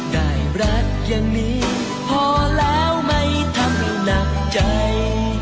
ได้รักอย่างนี้พอแล้วไม่ทำให้หนักใจ